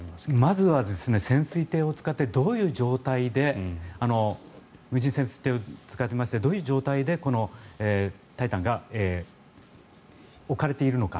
まずは潜水艇を使って無人潜水艇を使いましてどういう状態でこの「タイタン」が置かれているのか。